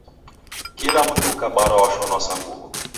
Kila mndu ukabarwa washonwa sa nguw'o!